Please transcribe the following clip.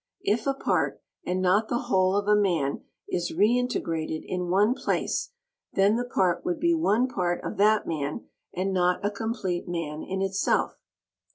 If a part and not the whole of a man is reintegrated in one place, then the part would be one part of that man and not a complete man in itself.